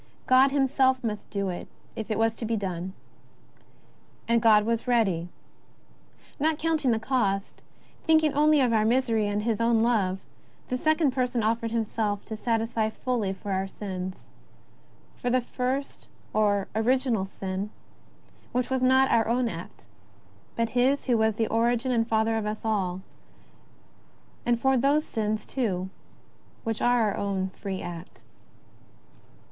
God him self must do it if it was to be done. And God was ready. Not counting the cost, thinking only of our misery and of His own love, the Second Person offered Himself to satisfy fully for our sins — for the first or original sin, which was not our own act, but his who was the origin and father of us all, and for those sins, too, which are our own free act.